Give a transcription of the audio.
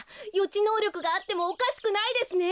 ちのうりょくがあってもおかしくないですね！